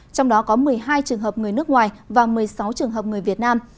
trong đó có một mươi hai trường hợp người nước ngoài và một mươi sáu trường hợp người việt nam